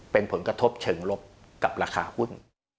เป็นผลกระทบเชิงลบกับราคาหุ้น